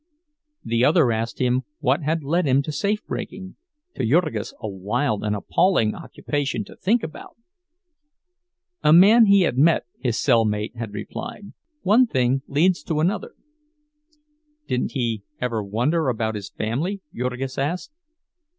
The other asked him what had led him to safe breaking—to Jurgis a wild and appalling occupation to think about. A man he had met, his cell mate had replied—one thing leads to another. Didn't he ever wonder about his family, Jurgis asked.